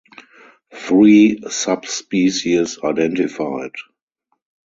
Three subspecies identified.